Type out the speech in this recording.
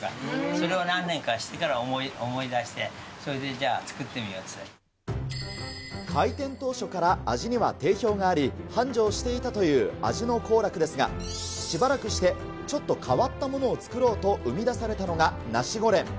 それを何年かしてから思い出して、それでじゃあ作ってみようってい開店当初から味には定評があり、繁盛していたという味の幸楽ですが、しばらくして、ちょっと変わったものを作ろうと生み出されたのがナシゴレン。